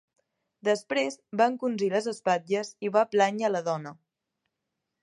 Després va encongir les espatlles i va plànyer la dona.